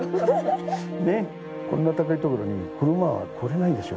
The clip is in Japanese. こんな高い所に車は来れないんですよ。